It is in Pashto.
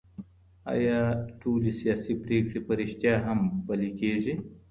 ايا ټولې سياسي پرېکړي په رښتيا هم پلې کېږي؟